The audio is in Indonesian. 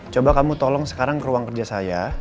coba kamu tolong sekarang ke ruang kerja saya